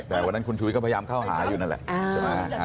แต่วันนั้นคุณชุวิตก็พยายามเข้าหาอยู่นั่นแหละใช่ไหม